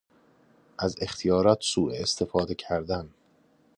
از اختیارات سوء استفاده کردن